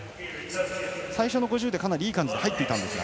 最初の５０、かなりいい感じで入っていたんですが。